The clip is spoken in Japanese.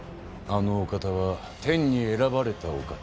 あのお方は天に選ばれたお方。